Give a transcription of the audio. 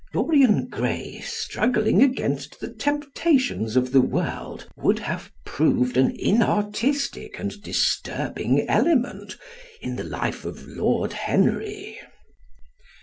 Dorian Gray struggling against the temptations of the world would have proved an inartistic and disturbing element in the life of Lord Henry.